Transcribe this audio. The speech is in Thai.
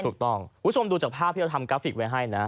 คุณผู้ชมดูจากภาพที่เราทำกราฟิกไว้ให้นะ